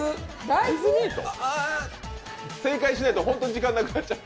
正解しないと本当に時間なくなっちゃう。